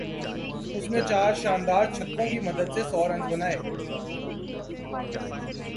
اس نے چار شاندار چھکوں کی مدد سے سو رنز بنائے